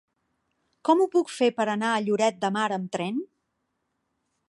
Com ho puc fer per anar a Lloret de Mar amb tren?